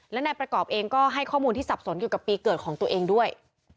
และนายประกอบเองก็ให้ข้อมูลที่สับสนอยู่กับปีเกิดของตัวเองด้วย